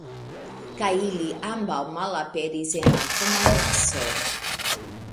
Kaj ili ambaŭ malaperis en la homamaso.